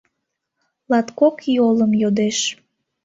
Латкок йолым йодеш.